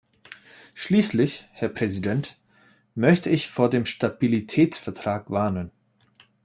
Schließlich, Herr Präsident, möchte ich vor dem Stabilitätsvertrag warnen.